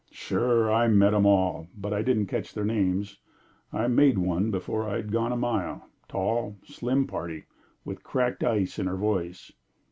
"Sure! I met 'em all, but I didn't catch their names. I 'made' one before I'd gone a mile tall, slim party, with cracked ice in her voice."